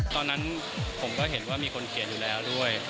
ตอนนั้นผมก็เห็นว่ามีคนเขียนอยู่แล้วด้วย